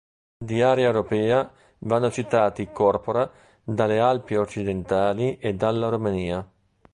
Di area europea vanno citati i "corpora" dalle Alpi occidentali e dalla Romania.